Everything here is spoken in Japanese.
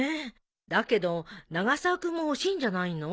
だけど永沢君も欲しいんじゃないの？